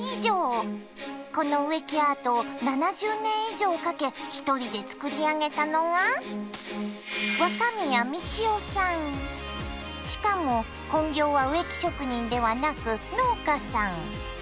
この植木アートを７０年以上かけ一人で作り上げたのがしかも本業は植木職人ではなく農家さん！